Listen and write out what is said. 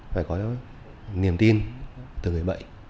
phải có niềm tin từ người bệnh